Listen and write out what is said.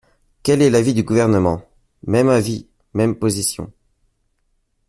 Quel est l’avis du Gouvernement ? Même avis, même position.